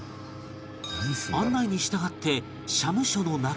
案内に従って社務所の中へ